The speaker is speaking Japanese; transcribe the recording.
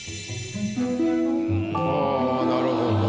ああなるほど。